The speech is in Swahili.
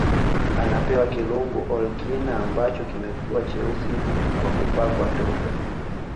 Anapewa kirungu Orikna ambacho kimekuwa cheusi kwa kupakwa tope